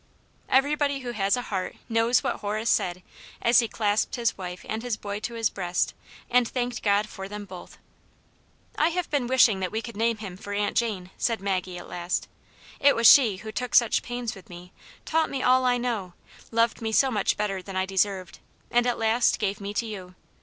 " Everybody who has a heart knows what Horace said, as he clasped his wife and his boy to his breast, and thanked God for them both. *•! have h^tti wishing that we co\i\d^ tc^'«\^ Nxvccw V^x 254 Aunt Jane's Hero. Aunt Jane," said Maggie at last. *' It was she who took such pains with me, taught me all I know, loved me so much better than I deserved, and at last gave me to you.